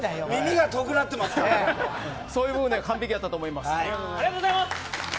そういうところも完璧だったと思います。